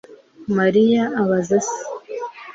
Mariya abaza se